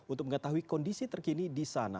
untuk mengetahui kondisi terkini di sana